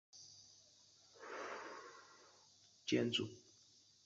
萨皮埃哈宫是位于波兰华沙新城区的一座建筑。